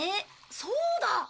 そうだ！